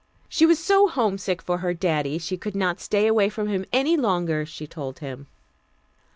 She was so homesick for her Daddy, she could not stay away from him any longer, she told him.